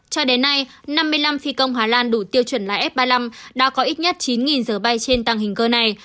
cho đến nay năm mươi năm phi công hà lan đủ tiêu chuẩn là f ba mươi năm đã có ít nhất chín giờ bay trên tăng hình cơ này